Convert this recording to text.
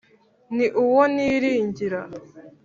ni uwo niringira